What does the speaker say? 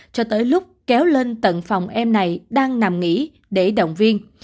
cho tới lúc kéo lên tận phòng em này đang nằm nghỉ để động viên